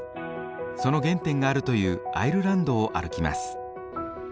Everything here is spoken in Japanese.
その原点があるというアイルランドを歩きます。